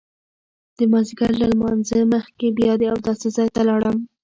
د مازیګر له لمانځه مخکې بیا د اوداسه ځای ته لاړم.